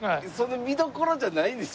見どころじゃないですよ